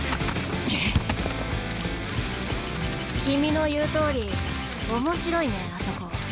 君の言うとおり面白いねあそこ今。